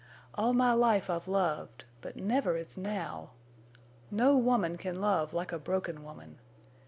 All my life I've loved, but never as now. No woman can love like a broken woman.